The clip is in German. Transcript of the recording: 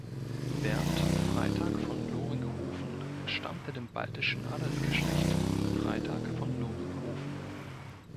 Bernd Freytag von Loringhoven entstammte dem baltischen Adelsgeschlecht Freytag von Loringhoven.